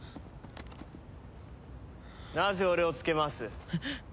なぜ俺をつけ回す？